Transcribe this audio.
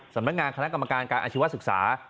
สำนักงานคณะกรรมการการอาชีวศึกษา